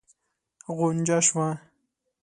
غنجا شوه.